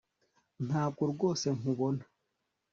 Ntabwo rwose nkubona